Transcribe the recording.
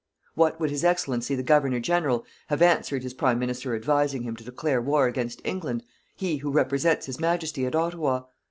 What would His Excellency the Governor General have answered his Prime Minister advising him to declare war against England, he who represents His Majesty at Ottawa?